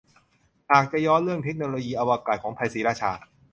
หากจะย้อนเรื่องเทคโนโลยีอวกาศของไทยศรีราชา